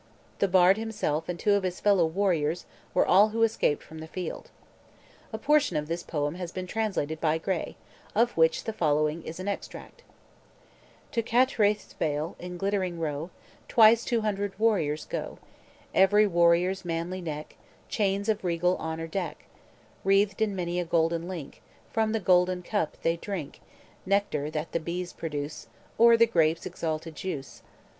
The bard himself and two of his fellow warriors were all who escaped from the field. A portion of this poem has been translated by Gray, of which the following is an extract: "To Cattraeth's vale, in glittering row, Twice two hundred warriors go; Every warrior's manly neck Chains of regal honor deck, Wreathed in many a golden link; From the golden cup they drink Nectar that the bees produce, Or the grape's exalted juice.